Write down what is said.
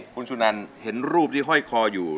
คุณสุนันเห็นรูปที่ห้อยคออยู่